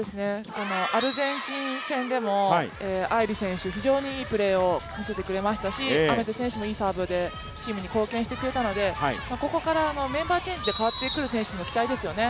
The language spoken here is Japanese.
アルゼンチン戦でも藍梨選手、非常にいいプレーを見せてくれましたし、愛芽世選手も非常にいいサーブでチームに貢献してくれたので、ここからメンバーチェンジで代わってくる選手の期待ですよね。